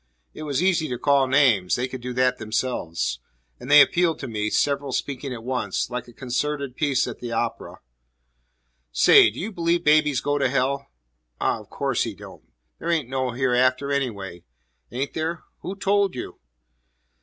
It was easy to call names; they could do that themselves. And they appealed to me, several speaking at once, like a concerted piece at the opera: "Say, do you believe babies go to hell?" "Ah, of course he don't." "There ain't no hereafter, anyway." "Ain't there?" "Who told y'u?"